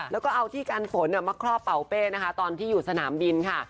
แล้วก็เอาที่กันฝนมาครอบเป่าเป้นะคะตอนที่อยู่สนามบินค่ะ